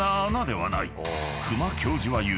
［久間教授は言う。